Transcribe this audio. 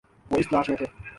وہ اس تلاش میں تھے